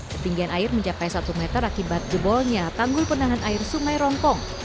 ketinggian air mencapai satu meter akibat jebolnya tanggul penahan air sungai rongkong